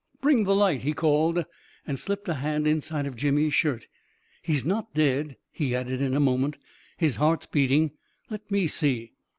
" Bring the light I " he called, and slipped a hand inside of Jimmy's shirt. " He's not dead," he added in a moment. " His heart's beating. Let me see."